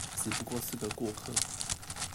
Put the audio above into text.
只不過是個過客